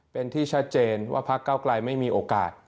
เป็นที่ชัดเจนว่าพักเก้าไกลไม่มีโอกาส